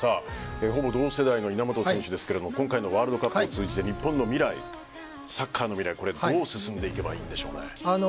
ほぼ同世代の稲本選手ですが今回のワールドカップを通じて日本の未来、サッカーの未来どう進んでいけばいいんでしょうね。